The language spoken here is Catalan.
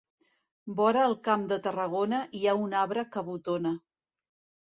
Vora el camp de Tarragona hi ha un arbre que botona.